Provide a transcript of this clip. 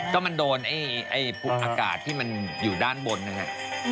ก็มันโดนอากาศที่มันอยู่ด้านบนนะครับ